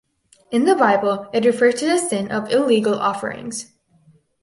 In the Bible it refers to the sin of illegal offerings.